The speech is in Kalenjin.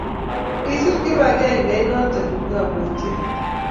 kisir kibagengeit noto kipngomutyot